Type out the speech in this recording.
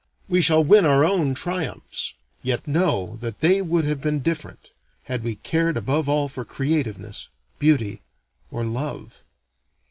We shall win our own triumphs, yet know that they would have been different, had we cared above all for creativeness, beauty, or love.